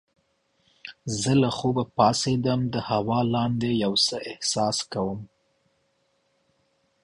زه له خوبه پاڅیدم د هوا لاندې یو څه احساس کوم.